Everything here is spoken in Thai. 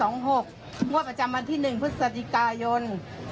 งวดประจำวันที่๑พฤษฎิกายน๒๕๖๐